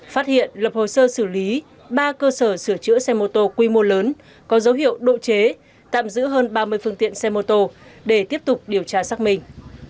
phát hiện lập hồ sơ xử lý ba cơ sở sửa chữa xe mô tô quy mô lớn có dấu hiệu độ chế tạm giữ hơn ba mươi phương tiện xe mô tô để tiếp tục điều tra xác minh